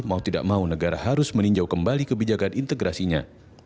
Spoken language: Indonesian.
mau tidak mau negara harus meninjau kembali kebijakan integrasinya